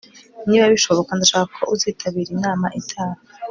niba bishoboka, ndashaka ko uzitabira inama itaha